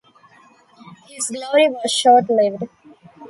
His glory was short lived.